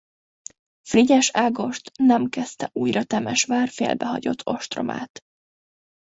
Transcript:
Frigyes Ágost nem kezdte újra Temesvár félbehagyott ostromát.